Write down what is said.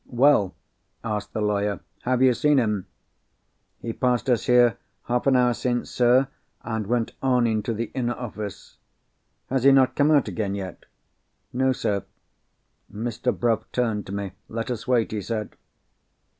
"Well," asked the lawyer. "Have you seen him?" "He passed us here half an hour since, sir, and went on into the inner office." "Has he not come out again yet?" "No, sir." Mr. Bruff turned to me. "Let us wait," he said.